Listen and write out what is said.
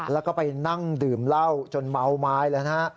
แล้วก็ไปนั่งดื่มเหล้าจนเมาไม้แล้วนะฮะ